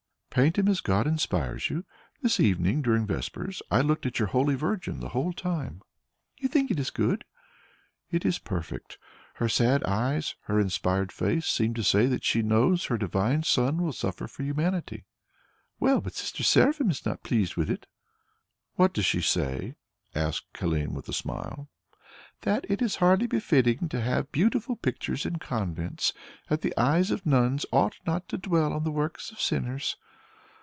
"Paint him as God inspires you. This evening, during vespers, I looked at your Holy Virgin the whole time." "You think it good." "It is perfect. Her sad eyes, her inspired face seem to say that she knows her divine Son will suffer for humanity." "Well, but Sister Seraphine is not pleased with it." "What does she say?" asked Helene with a smile. "That it is hardly befitting to have beautiful pictures in convents, that the eyes of nuns ought not to dwell on the works of sinners."